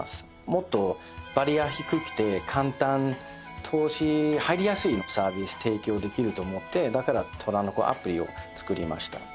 もっとバリア低くて簡単投資入りやすいサービス提供できると思ってだから「トラノコ」アプリを作りました。